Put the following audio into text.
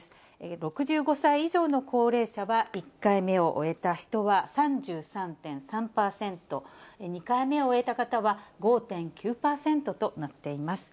６５歳以上の高齢者は１回目を終えた人は３３．３％、２回目を終えた方は５．９％となっています。